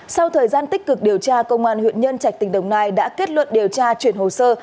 sau thời gian tích cực điều tra công an huyện nhân trạch tỉnh đồng nai đã kết luận điều tra chuyển hồ sơ